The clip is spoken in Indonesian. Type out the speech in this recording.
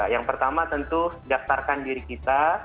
yang pertama tentu daftarkan diri kita